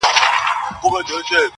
چي ورته ځېر سومه_